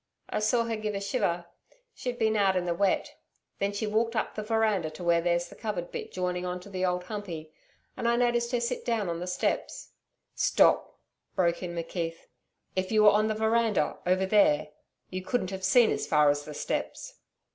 I saw her give a shiver she'd been out in the wet. Then she walked up the veranda to where there's the covered bit joining on to the Old Humpey, and I noticed her sit down on the steps ' 'Stop,' broke in McKeith. 'If you were on the veranda over there, you couldn't have seen as far as the steps.'